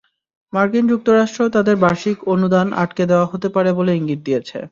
মার্কিন যুক্তরাষ্ট্রও তাদের বার্ষিক অনুদান আটকে দেওয়া হতে পারে বলে ইঙ্গিত দিয়েছে।